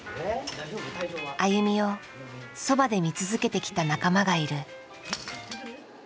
ＡＹＵＭＩをそばで見続けてきた仲間がいる。